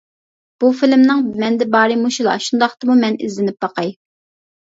بۇ فىلىمنىڭ مەندە بارى مۇشۇلا، شۇنداقتىمۇ مەن ئىزدىنىپ باقاي.